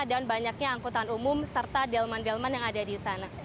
dan banyaknya angkutan umum serta delman delman yang ada di sana